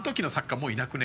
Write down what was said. もういなくね？